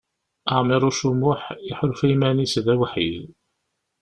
Ɛmiṛuc U Muḥ iḥulfa iman-is d awḥid.